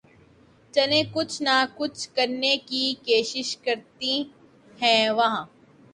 چلیں کچھ نہ کچھ کرنیں کی کیںشش کرتیں ہیں وہاں